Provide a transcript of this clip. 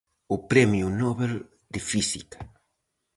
O Premio Nobel de Física.